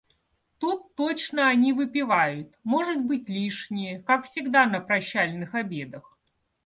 Тут точно они выпивают, может быть, лишнее, как всегда на прощальных обедах.